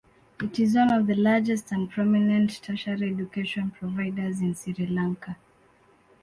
It is one of the largest and prominent tertiary education providers in Sri Lanka.